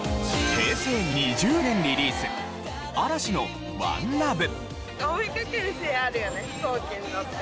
平成２０年リリース嵐の『ＯｎｅＬｏｖｅ』。